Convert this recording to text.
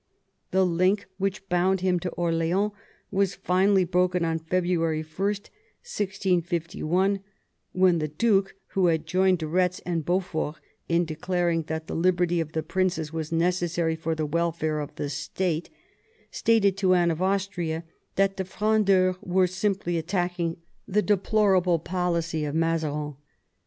The link which V THE EARLY YEARS OF THE NEW FRONDE 89 bound him to Orleans was finally broken on February 1, 1651, when the duke, who had joined de Retz and Beaufort in declaring that the liberty of the princes was necessary for the welfare of the State, stated to Anne of Austria that the Frondeurs were simply attack ing the deplorable policy of Mazarin.